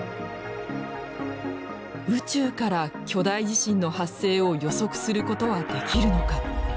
宇宙から巨大地震の発生を予測することはできるのか。